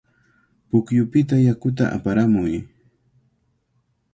Pukyupita yakuta aparamuy.